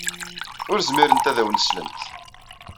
Ur zmirent ad awen-slent.